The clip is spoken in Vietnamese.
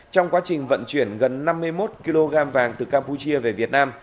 trong quá trình vận chuyển gần năm mươi một kg vàng từ campuchia về việt nam